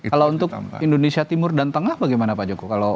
kalau untuk indonesia timur dan tengah bagaimana pak joko